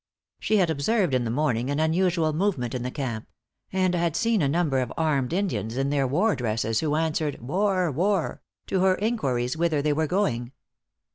She had observed in the morning an unusual movement in the camp; and had seen a number of armed Indians in their war dresses, who answered "War! war!" to her inquiries whither they were going.